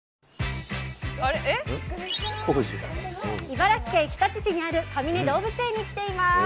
茨城県日立市にあるかみね動物園に来ています。